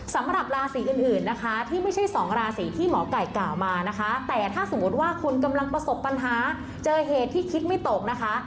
สำหรับราศีอื่นนะคะที่ไม่ใช่สองราศีที่หมอไก่กล่าวมานะคะแต่ถ้าสมมุติว่าคุณกำลังประสบปัญหาเจอเหตุที่คิดไม่ตกนะคะ